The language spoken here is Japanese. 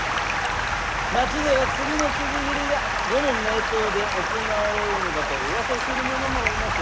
町では次のつじ斬りがどの名刀で行われるのかと噂する者もおります。